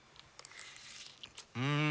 うん！